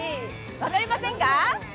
分かりませんか？